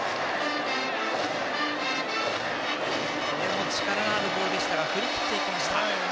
これも力のあるボールでしたが振り切っていきました。